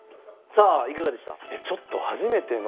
さあいかがでした？